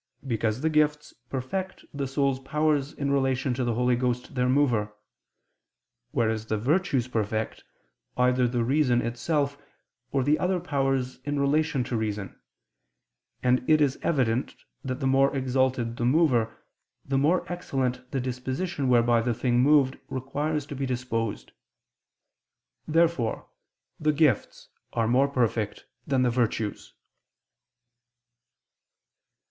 Because the gifts perfect the soul's powers in relation to the Holy Ghost their Mover; whereas the virtues perfect, either the reason itself, or the other powers in relation to reason: and it is evident that the more exalted the mover, the more excellent the disposition whereby the thing moved requires to be disposed. Therefore the gifts are more perfect than the virtues.